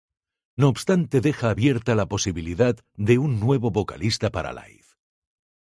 No obstante, deja abierta la posibilidad de un nuevo vocalista para Live.